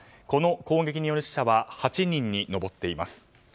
この攻撃による死者は８人に上っています。